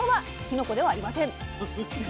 きのこではありません。